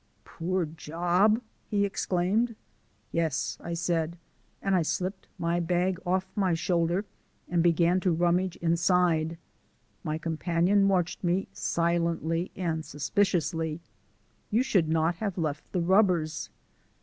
"Poor job!" he exclaimed. "Yes," I said, and I slipped my bag off my shoulder and began to rummage inside. My companion watched me silently and suspiciously. "You should not have left the rubbers."